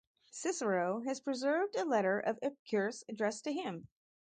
Cicero has preserved a letter of Epicurus addressed to him.